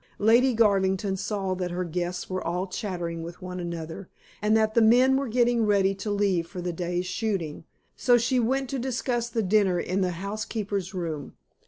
Lady Garvington saw that her guests were all chattering with one another, and that the men were getting ready to leave for the day's shooting, so she went to discuss the dinner in the housekeeper's room.